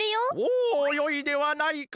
おおよいではないか。